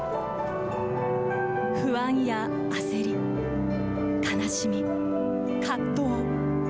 不安や焦り、悲しみ、葛藤。